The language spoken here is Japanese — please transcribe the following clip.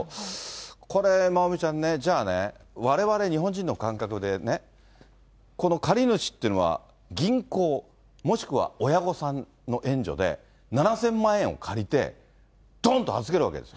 これ、まおみちゃんね、じゃあね、われわれ日本人の感覚でね、この借り主ってのは銀行、もしくは親御さんの援助で、７０００万円借りて、どんと預けるわけです。